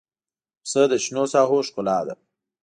پسه د شنو ساحو ښکلا ده.